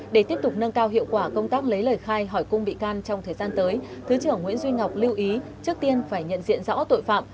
để tiếp tục nâng cao hiệu quả công tác lấy lời khai hỏi cung bị can trong thời gian tới thứ trưởng nguyễn duy ngọc lưu ý trước tiên phải nhận diện rõ tội phạm